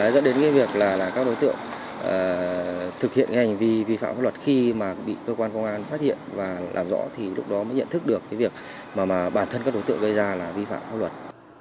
dẫn đến cái việc là các đối tượng thực hiện cái hành vi vi phạm pháp luật khi mà bị cơ quan công an phát hiện và làm rõ thì lúc đó mới nhận thức được cái việc mà bản thân các đối tượng gây ra là vi phạm pháp luật